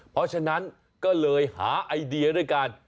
เพราะฉะนั้นก็เลยหาไอเดียด้วยกัน